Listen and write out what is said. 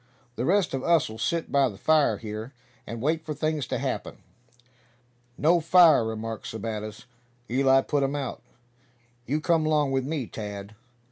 The rest of us'll sit by the fire here, and wait for things to happen." "No fire," remarked Sebattis. "Eli put um out. You come 'long with me, Tad!"